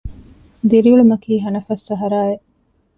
ދިރިއުޅުމަކީ ހަނަފަސް ސަހަރާއެއް